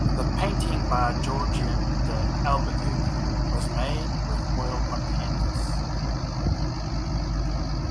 The painting by Georgina de Albuquerque was made with oil on canvas.